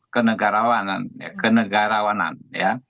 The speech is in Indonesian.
ke negarawanan ya ke negarawanan ya